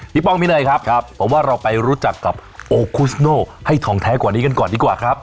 ป้องพี่เนยครับผมว่าเราไปรู้จักกับโอคุสโน่ให้ทองแท้กว่านี้กันก่อนดีกว่าครับ